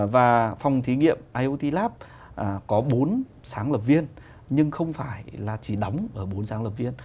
và phòng thí nghiệm iot lap có bốn sáng lập viên nhưng không phải là chỉ đóng ở bốn sáng lập viên